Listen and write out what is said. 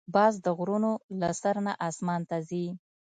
باز د غرونو له سر نه آسمان ته ځي